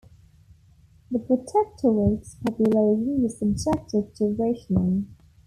The protectorate's population was subjected to rationing.